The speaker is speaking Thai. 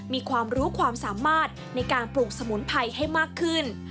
มีความรู้ความสามารถในการปลูกสมุนไพรให้มากขึ้น